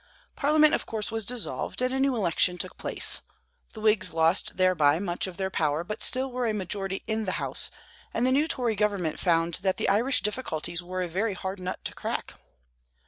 Parliament, of course, was dissolved, and a new election took place. The Whigs lost thereby much of their power, but still were a majority in the House, and the new Tory government found that the Irish difficulties were a very hard nut to crack.